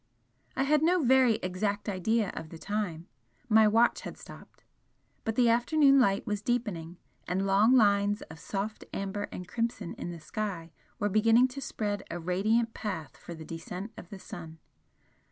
I had no very exact idea of the time, my watch had stopped. But the afternoon light was deepening, and long lines of soft amber and crimson in the sky were beginning to spread a radiant path for the descent of the sun.